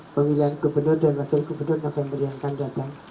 pemilihan gubernur dan wakil gubernur november yang akan datang